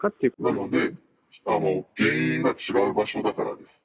なので、原因が違う場所だからです。